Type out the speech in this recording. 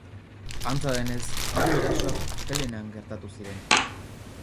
Antza denez, hiru erasoak astelehenean gertatu ziren.